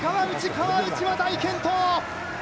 川内は大健闘。